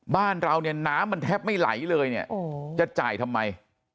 บ้านเราเนี่ยน้ำมันแทบไม่ไหลเลยเนี่ยจะจ่ายทำไม